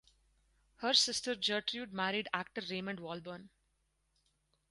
Her sister Gertrude married actor Raymond Walburn.